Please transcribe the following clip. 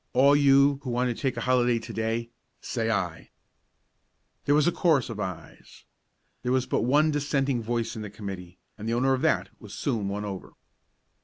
All you who want to take a holiday to day say 'Ay'!" There was a chorus of ays. There was but one dissenting voice in the committee, and the owner of that was soon won over.